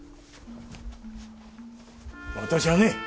私はね